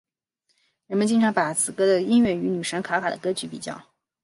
人们经常把此歌的音乐与女神卡卡的歌曲比较。